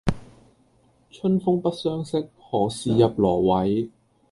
春風不相識，何事入羅幃